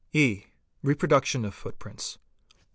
E. Reproduction of Footprints.